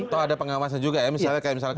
atau ada pengawasan juga ya misalnya